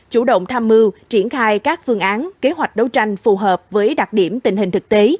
chủ động tham mưu triển khai các phương án kế hoạch đấu tranh phù hợp với đặc điểm tình hình thực tế